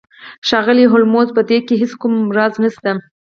ښاغلی هولمز په دې کې هیڅ کوم راز نشته